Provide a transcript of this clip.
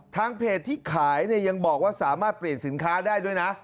ทางเพจที่ขายเนี่ยยังบอกว่าสามารถเปลี่ยนสินค้าได้ด้วยนะ